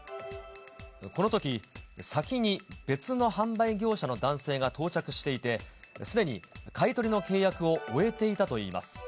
このとき、先に別の販売業者の男性が到着していて、すでに買い取りの契約を終えていたといいます。